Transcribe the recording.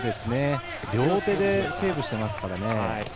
両手でセーブしていますからね。